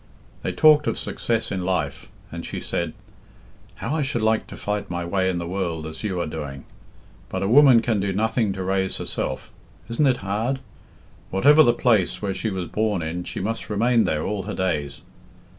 They talked of success in life, and she said "How I should like to fight my way in the world as you are doing! But a woman can do nothing to raise herself. Isn't it hard? Whatever the place where she was born in, she must remain there all her days.